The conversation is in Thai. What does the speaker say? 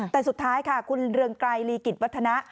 แต่สุดท้ายค่ะคุณเรืองไกรลีกิจวัฒนะ